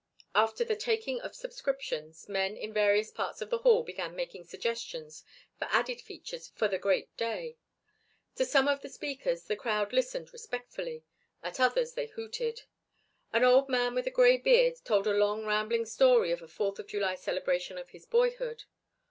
After the taking of subscriptions, men in various parts of the hall began making suggestions for added features for the great day. To some of the speakers the crowd listened respectfully, at others they hooted. An old man with a grey beard told a long rambling story of a Fourth of July celebration of his boyhood.